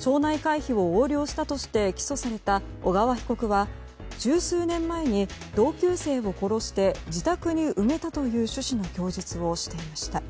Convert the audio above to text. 町内会費を横領したとして起訴された小川被告は十数年前に同級生を殺して自宅に埋めたという趣旨の供述をしていました。